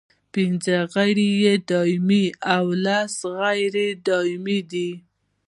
پنځه غړي یې دایمي او لس غیر دایمي دي.